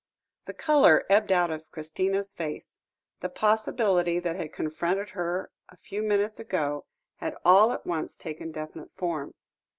The colour ebbed out of Christina's face; the possibility that had confronted her a few minutes ago, had all at once taken definite form.